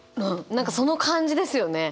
その感じですよね。